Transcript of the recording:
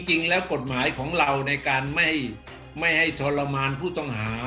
จริงแล้วกฎหมายของเราในการไม่ให้ทรมานผู้ต้องหา